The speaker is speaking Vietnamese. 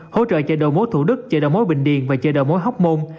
hỗ trợ chợ đồ mối thủ đức chợ đầu mối bình điền và chợ đầu mối hóc môn